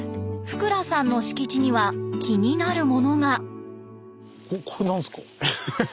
福羅さんの敷地には気になるものが。